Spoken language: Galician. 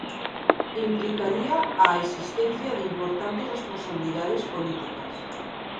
Implicaría a existencia de importantes responsabilidades políticas.